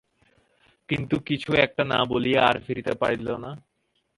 কিন্তু কিছু-একটা না বলিয়া আর ফিরিতে পারিল না।